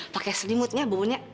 pakai selimutnya bumbunya